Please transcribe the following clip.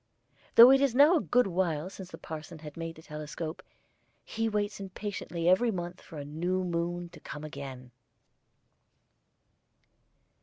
Though it is now a good while since the parson made the telescope, he waits impatiently every month for the new moon to come again.